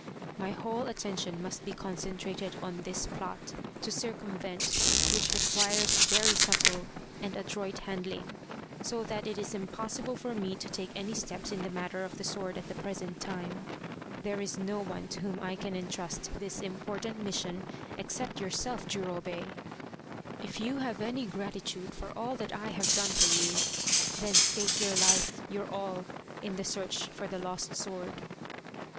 My whole attention must be concentrated on this plot, to circumvent which requires very subtle and adroit handling, so that it is impossible for me to take any steps in the matter of the sword at the present time. There is no one to whom I can entrust this important mission except yourself, Jurobei. If you have any gratitude for all that I have done for you, then stake your life, your all, in the search for the lost sword.